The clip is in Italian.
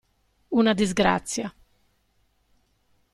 Una disgrazia.